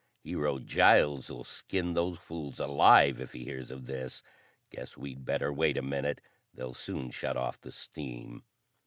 "Hero Giles'll skin those fools alive if he hears of this. Guess we'd better wait a minute: they'll soon shut off the steam."